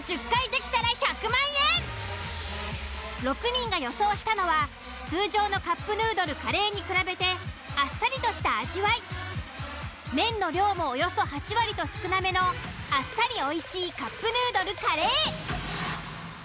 ６人が予想したのは通常のカップヌードルカレーに比べてあっさりとした味わい麺の量もおよそ８割と少なめのあっさりおいしいカップヌードルカレー。